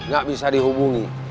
gak bisa dihubungi